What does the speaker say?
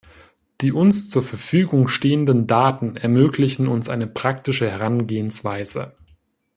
Die uns zur Verfügung stehenden Daten ermöglichen uns eine praktische Herangehensweise.